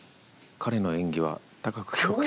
彼の演技は高く評価」。